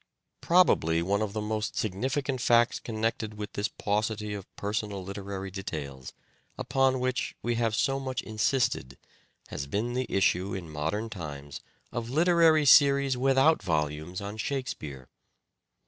Probably one of the most significant facts connected with this paucity of personal literary details, upon which we have so much insisted, has been the. issue in modern times of literary series without volumes on Shakespeare.